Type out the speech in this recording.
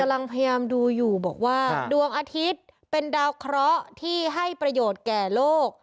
กำลังพยายามดูอยู่บอกว่าดวงอาทิตย์เป็นดาวเคราะห์ที่ให้ประโยชน์แก่โลก